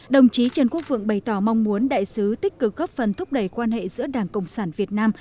đồng chí trần quốc vượng bày tỏ mong muốn đại sứ tích cực góp phần thúc đẩy quan hệ giữa đảng cộng sản việt nam